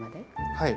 はい。